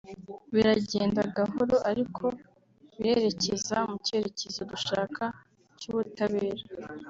biragenda gahoro ariko birerekeza mu cyerekezo dushaka cy’ubutabera